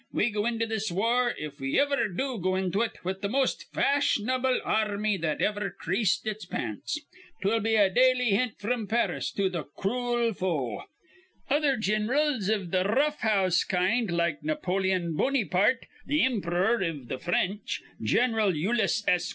We go into this war, if we iver do go into it, with th' most fash'n able ar rmy that iver creased its pants. 'Twill be a daily hint fr'm Paris to th' crool foe. "Other gin'rals iv th' r rough house kind, like Napoleon Bonypart, th' impror iv th' Frinch, Gin'ral Ulis S.